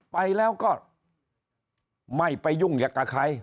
ไปแล้วก็ไม่ไปยุ่งอยากกับใคร